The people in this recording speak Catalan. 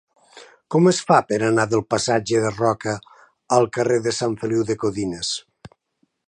Com es fa per anar del passatge de Roca al carrer de Sant Feliu de Codines?